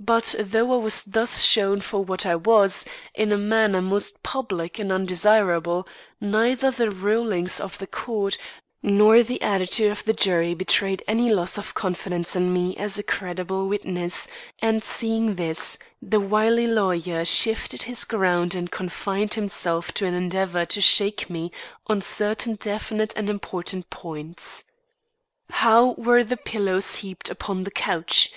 But though I was thus shown up for what I was, in a manner most public and undesirable, neither the rulings of the court, nor the attitude of the jury betrayed any loss of confidence in me as a credible witness, and seeing this, the wily lawyer shifted his ground and confined himself to an endeavour to shake me on certain definite and important points. How were the pillows heaped upon the couch?